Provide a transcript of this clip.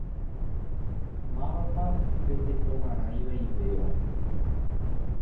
Mávapa pe tekomarã ivaivéva?